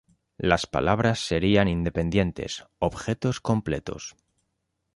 Las palabras serían independientes, objetos completos.